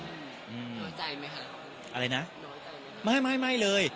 น้อยใจไหมคะน้อยใจไหมคะอะไรนะไม่เลย